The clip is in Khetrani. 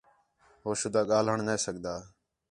ہو شودا ڳاھلݨ نے سِکھدا